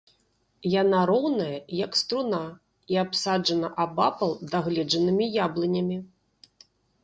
Яна роўная, як струна, і абсаджана абапал дагледжанымі яблынямі.